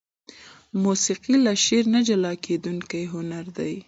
موسيقي له شعر نه جلاکيدونکى هنر دى.